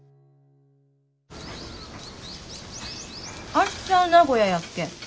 明日名古屋やっけ？